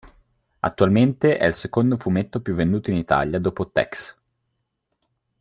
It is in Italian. Attualmente è il secondo fumetto più venduto in Italia dopo "Tex".